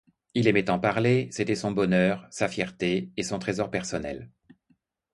Il aimait en parler, c'était son bonheur, sa fierté et son trésor personnel.